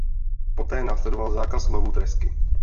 Poté následoval zákaz lovu tresky.